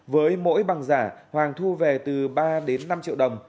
với mỗi bằng giả hoàng thu về từ ba đến năm triệu đồng